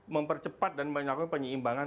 mempercepat dan menyebabkan penyeimbangan